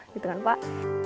gitu kan pak